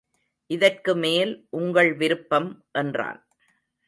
இதற்குமேல் உங்கள் விருப்பம் என்றான்.